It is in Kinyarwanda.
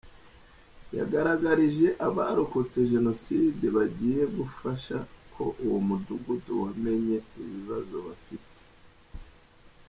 Yagaragarije abarokotse Jenoside bagiye gufasha ko uwo mudugudu wamenye ibibazo bafite.